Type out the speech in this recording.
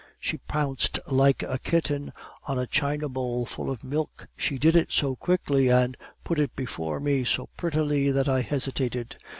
"She pounced like a kitten, on a china bowl full of milk. She did it so quickly, and put it before me so prettily, that I hesitated.